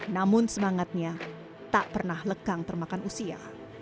namun semangatnya tak pernah lekang termakan usia